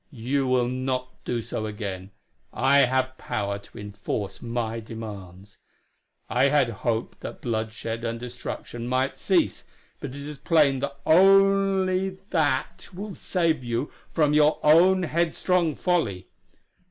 You will not do so again; I have power to enforce my demands. I had hoped that bloodshed and destruction might cease, but it is plain that only that will save you from your own headstrong folly.